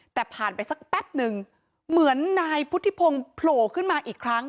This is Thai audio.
แต่ผ่านไปสักแป๊บนึงเหมือนนายพุทธิพงศ์โผล่ขึ้นมาอีกครั้ง